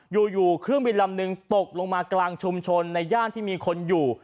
อยู่เครื่องบินลำนึงตกลงมากลางชุมชนในย่านที่มีคนอยู่